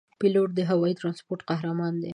پیلوټ د هوايي ترانسپورت قهرمان دی.